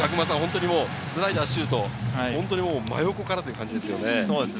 スライダー、シュート、真横からという感じですよね。